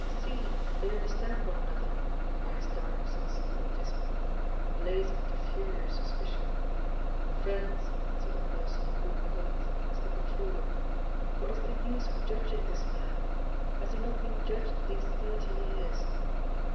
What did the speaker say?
'See! they understand one another!' cries dark Sansculottism, blazing into fury of suspicion.—'Friends,' said "a person in good clothes," stepping forward, 'what is the use of judging this man? Has he not been judged these thirty years?